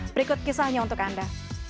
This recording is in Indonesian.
berikut kisahnya untuk anda